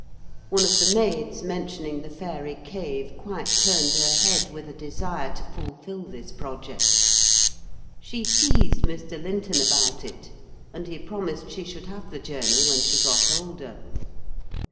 One of the maids mentioning the Fairy Cave, quite turned her head with a desire to fulfil this project: she teased Mr. Linton about it; and he promised she should have the journey when she got older.